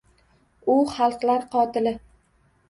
U xalqlar qotili